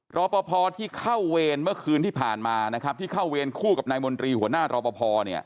รอปภที่เข้าเวรเมื่อคืนที่ผ่านมานะครับที่เข้าเวรคู่กับนายมนตรีหัวหน้ารอปภ